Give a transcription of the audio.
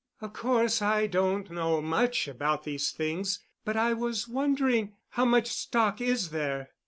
"Of course I don't know much about these things, but I was wondering—how much stock is there?"